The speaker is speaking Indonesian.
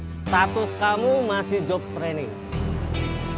status kamu masih joke training